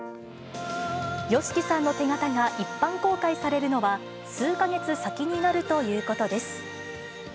ＹＯＳＨＩＫＩさんの手形が一般公開されるのは、数か月先になるということです。